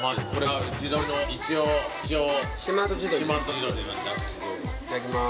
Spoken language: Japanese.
はいいただきます。